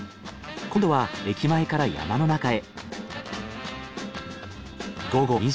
今度は駅前から山の中へ。